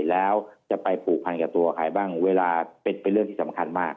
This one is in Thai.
แล้วจะไปผูกพันกับตัวใครบ้างเวลาเป็นเรื่องที่สำคัญมาก